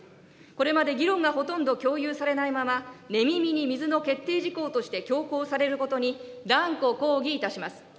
これまで議論がほとんど共有されないまま、寝耳に水の決定事項として強行されることに断固抗議いたします。